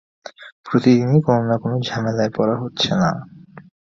প্রতিদিনই কোনো-না-কোনো ঝামেলায় পড়া হচ্ছে না।